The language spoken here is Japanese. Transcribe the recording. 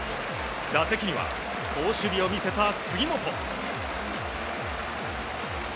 打席には好守備を見せた杉本。